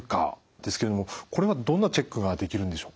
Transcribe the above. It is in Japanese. ですけどもこれはどんなチェックができるんでしょうか？